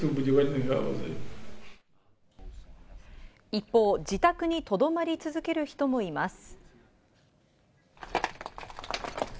一方、自宅にとどまり続ける人もいます。